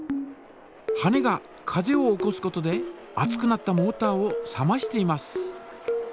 羽根が風を起こすことで熱くなったモータを冷ましています。